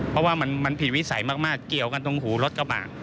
เพราะว่ามันผิดวิสัยมากเกี่ยวกันตรงหูรถกระบะ